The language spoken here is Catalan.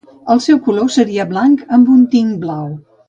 El seu color seria blanc amb un tint blau.